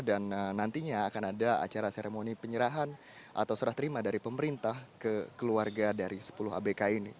dan nantinya akan ada acara seremoni penyerahan atau serah terima dari pemerintah ke keluarga dari sepuluh abk ini